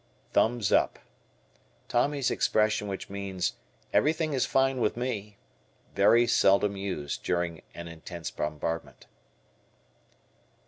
"Thumbs up." Tommy's expression which means "everything is fine with me." Very seldom used during an intense bombardment.